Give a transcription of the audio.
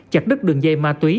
chặt đứt đường dây ma túy